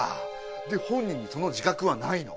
で本人にその自覚はないの。